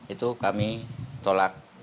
itu kami tolak